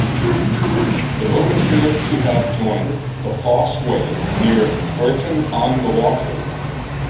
The road appears to have joined the Fosse Way near Bourton-on-the-Water.